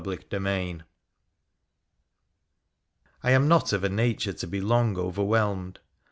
CHAPTER IX I am not of a nature to be long overwhelmed.